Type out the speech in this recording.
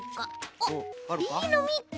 あっいいのみっけ！